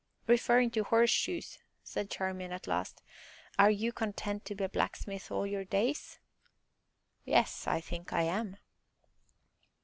"Referring to horseshoes," said Charmian at last, "are you content to be a blacksmith all your days?" "Yes, I think I am."